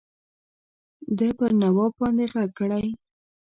ده پر نواب باندي ږغ کړی.